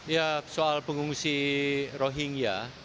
ya soal pengungsi rohingya